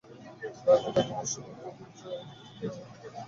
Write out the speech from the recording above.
লাগো, লাগো, বৎসগণ! প্রভুর জয়! কিডিকে আমার ভালবাসা জানাইবে।